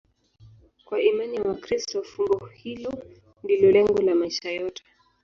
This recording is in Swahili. Kwa imani ya Wakristo, fumbo hilo ndilo lengo la maisha yote.